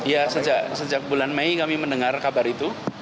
ya sejak bulan mei kami mendengar kabar itu